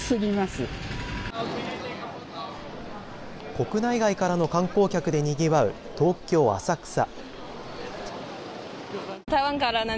国内外からの観光客でにぎわう東京浅草。